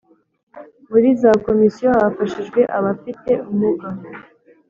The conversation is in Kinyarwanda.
Muri za Komisiyo hafashijwe abafite umuga